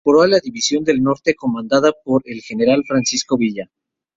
Se incorporó a la División del Norte comandada por el general Francisco Villa.